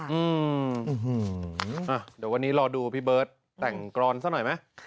เดี๋ยววันนี้รอดูพี่เบิร์ตแต่งกรอนซะหน่อยไหม